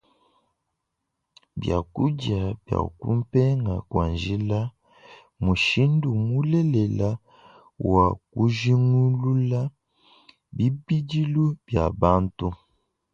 Biakudia bia kumpenga kua njila mmushindu mulelela wa kujingulula bibidilu bia bantu.